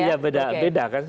iya beda beda kan